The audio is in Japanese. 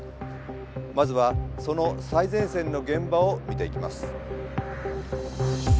まずはその最前線の現場を見ていきます。